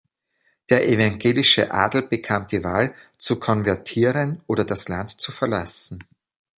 Der evangelische Adel bekam die Wahl, zu konvertieren oder das Land zu verlassen.